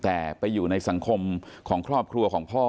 แต่ไปอยู่ในสังคมของครอบครัวของพ่อ